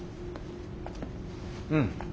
うん。